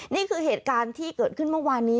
นี่คือเหตุการณ์ที่เกิดขึ้นเมื่อวานนี้